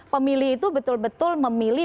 pemilih itu betul betul memilih